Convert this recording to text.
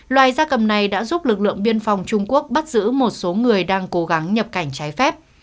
loài gia cầm này đã giúp lực lượng biên phòng trung quốc bắt giữ một số người đang cố gắng nhập cảnh trái phép